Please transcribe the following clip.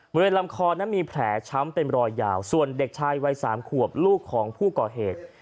บริเวณลำคอนั้นมีแผลช้ำเป็นรอยยาวส่วนเด็กชายวัย๓ขวบลูกของผู้ก่อเหตุ